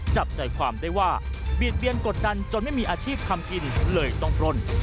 จับใจความได้ว่าเบียดเบียนกดดันจนไม่มีอาชีพทำกินเลยต้องปล้น